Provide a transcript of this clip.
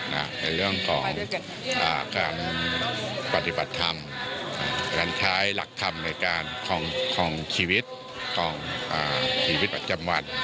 ในเรื่องของการปฏิบัติธรรมการใช้หลักธรรมในการครองชีวิตของชีวิตประจำวัน